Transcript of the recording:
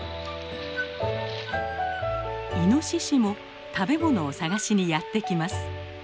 イノシシも食べ物を探しにやって来ます。